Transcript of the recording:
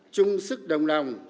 chung sức đồng lòng